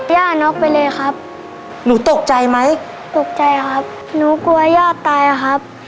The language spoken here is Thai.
ย่าน็อกไปเลยครับหนูตกใจไหมตกใจครับหนูกลัวย่าตายอะครับ